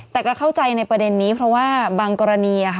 แต่ก็เข้าใจในประเด็นนี้เพราะว่าบางกรณี